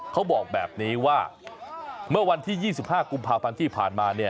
เขาบอกแบบนี้ว่าเมื่อวันที่๒๕กุมภาพันธ์ที่ผ่านมาเนี่ย